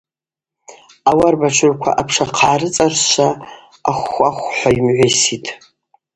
Ауарбатшыгӏвква апша хъагӏа Рыцӏыршвшва, ахв-хва – хӏва йымгӏвайситӏ.